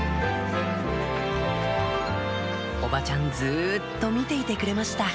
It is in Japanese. おばちゃんずっと見ていてくれました